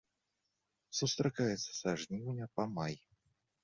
Сустракаецца са жніўня па май.